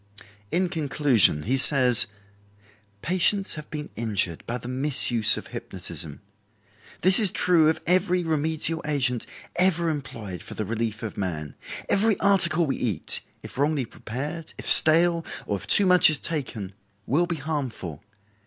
In conclusion he says: "Patients have been injured by the misuse of hypnotism. This is true of every remedial agent ever employed for the relief of man. Every article we eat, if wrongly prepared, if stale, or if too much is taken, will be harmful.